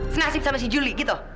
senasib sama si juli gitu